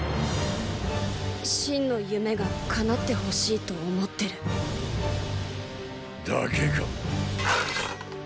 信の夢がかなってほしいと思ってる。だけか。